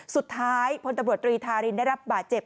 สุดท้ายพลตำรวจรีธารินได้รับบาดเจ็บ